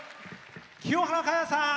清原果耶さん。